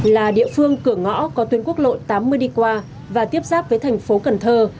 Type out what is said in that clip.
là địa phương cửa ngõ có tuyến quốc lộ tám mươi đi qua và tiếp giáp với thành phố cần thơ